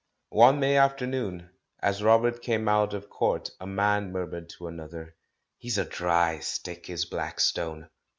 One May afternoon, as Robert came out of court, a man murmured to another, "He's a dry stick, is Blackstone!"